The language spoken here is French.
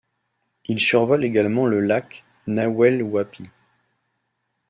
Il survole également le lac Nahuel Huapi.